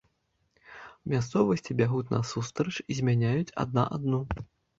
Мясцовасці бягуць насустрач і змяняюць адна адну.